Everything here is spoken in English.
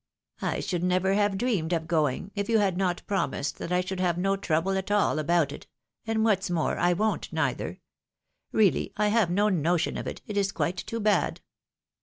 I should never have dreamed of going, if you had not promised that I should have no trouble at all about it, and what's more, I won't neither. Really I have no notion of it, it is quite too bad."